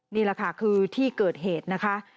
นี่แหละค่ะคือที่เกิดเหตุนะคะ